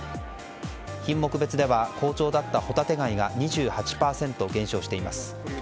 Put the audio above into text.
品目別では好調だったホタテガイが２８％減少しています。